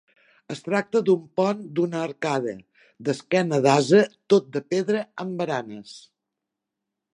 Es tracta d'un pont d'una arcada, d'esquena d'ase, tot de pedra amb baranes.